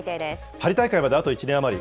パリ大会まであと１年余り。